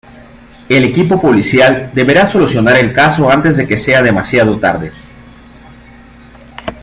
El equipo policial deberá solucionar el caso antes de que sea demasiado tarde.